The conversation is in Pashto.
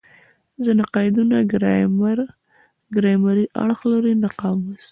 ځیني قیدونه ګرامري اړخ لري؛ نه قاموسي.